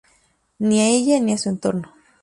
Ni a ella ni a su entorno.